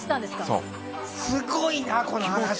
すごいなこの話。